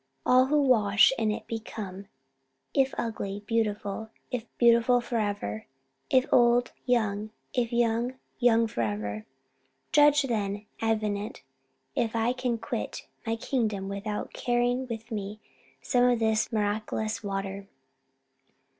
All who wash in it become, if ugly, beautiful, and if beautiful, beautiful for ever; if old, young; and if young, young for ever. Judge then, Avenant, if I can quit my kingdom without carrying with me some of this miraculous water."